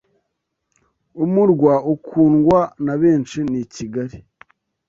umurwa ukundwa nabenshi ni kigali